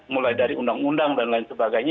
mulai dari undang undang dan lain sebagainya